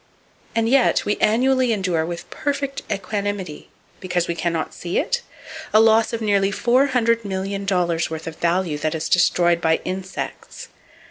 And yet, we annually endure with perfect equanimity (because we can not see it?) a loss of nearly $400,000,000 worth of value that is destroyed by insects.